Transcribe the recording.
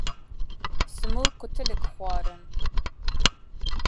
Simo kutilik xwarin